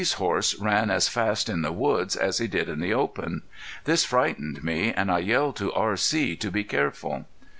's horse ran as fast in the woods as he did in the open. This frightened me, and I yelled to R.C. to be careful.